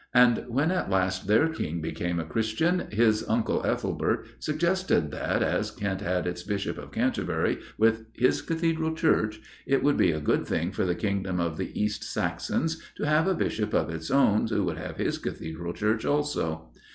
And when at last their King became a Christian, his uncle Ethelbert suggested that, as Kent had its Bishop of Canterbury, with his Cathedral Church, it would be a good thing for the Kingdom of the East Saxons to have a Bishop of its own who would have his Cathedral Church also.